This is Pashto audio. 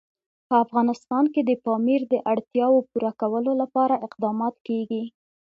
په افغانستان کې د پامیر د اړتیاوو پوره کولو لپاره اقدامات کېږي.